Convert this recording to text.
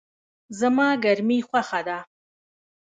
زما ګرمی خوښه ده